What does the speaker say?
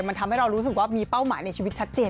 มันทำให้เรารู้สึกว่ามีเป้าหมายในชีวิตชัดเจน